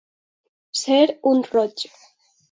Ser un rotllo.